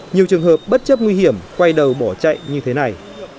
nhiều trường hợp bất chấp nguy hiểm quay đầu bỏ chạy như thế này